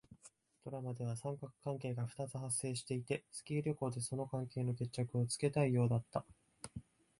ドラマでは三角関係が二つ発生していて、スキー旅行でその関係の決着をつけたいようだった。